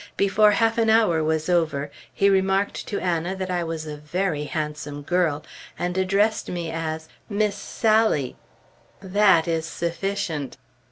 Before half an hour was over, he remarked to Anna that I was a very handsome girl, and addressed me as Miss Sally! That is sufficient.